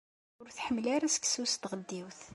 Ur tḥemmel ara seksu s tɣeddiwt.